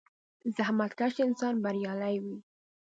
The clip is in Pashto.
• زحمتکش انسان بریالی وي.